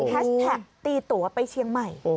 แท็กตีตัวไปเชียงใหม่